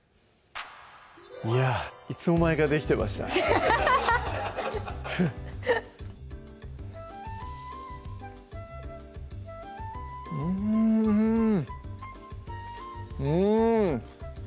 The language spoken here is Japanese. いやぁいつの間にかできてましたうんうん！